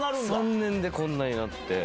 ３年でこんなになって。